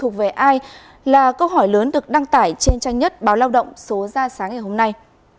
câu hỏi lớn được đăng tải trên tranh nhất báo lao động số ra sáng ngày hôm nay